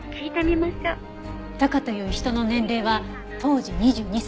タカという人の年齢は当時２２歳。